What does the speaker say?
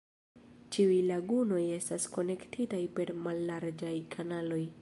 Ĉiuj lagunoj estas konektitaj per mallarĝaj kanaloj.